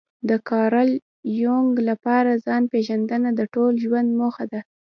د کارل يونګ لپاره ځان پېژندنه د ټول ژوند موخه ده.